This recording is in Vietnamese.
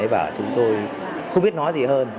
và chúng tôi không biết nói gì hơn